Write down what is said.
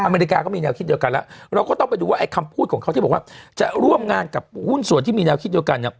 อเมริกาก็มีแนวคิดเดียวกันแล้วเราก็ต้องไปดูว่าไอ้คำพูดของเขาที่บอกว่าจะร่วมงานกับหุ้นส่วนที่มีแนวคิดเดียวกันเนี่ย